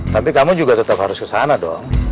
tapi kamu juga tetap harus kesana dong